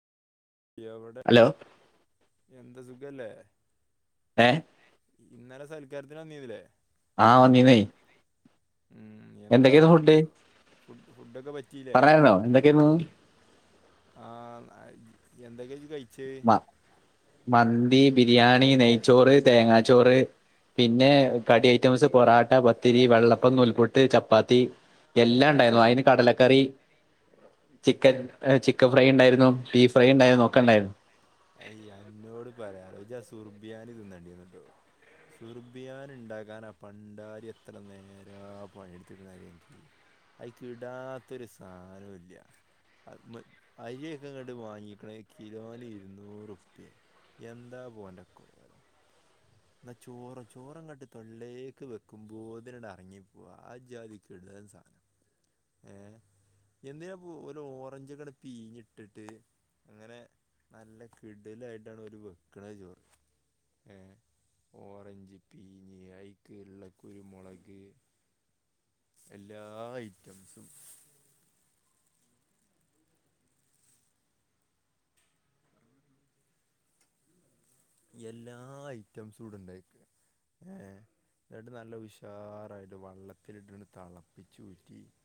എവ്ടെ? ഹലോ എന്താ സുഖല്ലേ? ഏ ഇന്നലെ സൽക്കാരത്തിന് വന്നീര്ന്നിലെ? ആ വന്നീന്നേ ഉം എന്താ എന്തൊക്കെയായിരുന്നു ഫുഡ്. ഫുഡ് ഫുഡൊക്കെ വ പറയാ [unintelligible] ന്നോ എന്തൊക്കെയാര്ന്നൂ ആഹ്. ന്ന യ് എന്തൊക്കെ ജ് കയ്ച്ചെ? മ മന്തി, ബിരിയാണി, നെയ്ച്ചോറ്, തേങ്ങാച്ചോറ്. പിന്നെ കടി ഐറ്റംസ് പൊറാട്ട, പത്തിരി, വെള്ളപ്പം, നൂൽ പുട്ട്, ചപ്പാത്തി. എല്ലാ ണ്ടായിര്ന്നു. അതിന് കടലക്കറി ചിക്കൻ ഏ ചിക്കൻ ഫ്രൈ ണ്ടായിര്ന്നു. ബീഫ് ഫ്രൈ ണ്ടായിര്ന്നു. ഒക്കെ ണ്ടായിരുന്നു. അയ്. അന്നോട് പറയാന് ജ് ആ സുർബിയാന് തിന്നേണ്ടിര്ന്ന്ട്ടോ. സുർബിയാന് ണ്ടാക്കാന് ആ പണ്ടാരി എത്ര നേരാ പണിയെട്ത്ത് ക്ക്ണ് അറിയൊൻക്ക് അയ്ക്ക് ഇടാത്തൊരു സാനൊല്യ. അ. മ്. അരിയൊക്കെ ഇങ്ങട്ട് വാങ്ങിക്കണ്കിലോന് ഇരുന്നൂറുപ്യെ. എന്താ ഓൻ്റെ ക്കോലം. ന്നാ ചോറൊ? ചോറങ്ങട്ട് തൊള്ളക്ക് വെക്കുമ്പോത്തിനണ്ട് അറങ്ങിപ്പോവാ. ആ ജ്ജാതി കിടിലം സാ ഏ. എന്തിനാപ്പൊ ഒരു ഓറഞ്ചെങ്ങട്ട് പീഞ്ഞിട്ടിട്ട് ങ്ങനെ. നല്ല കിടലായിട്ടാണ് ഒരു വെക്കണ ചോറ്. ഏ ഓറഞ്ച് പീഞ്ഞ്. ഐക്ക്ള്ള കുരുമുളക് സെല്ലാ ഐറ്റംസും എല്ലാ ഐറ്റംസും ടെ ണ്ടായിക്ക് ണ്. ഏ ന്നട്ട് നല്ല ഉഷാറായിട്ട് വള്ളത്തിലിട്ട് ണ് തളപ്പിച്ചൂറ്റി.